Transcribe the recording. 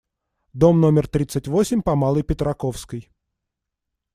Дом номер тридцать восемь по Малой Петраковской.